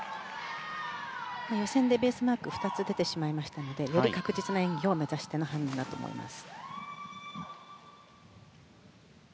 予選でベースマークが２つ出てしまいましたのでより確実な演技を目指していると思います。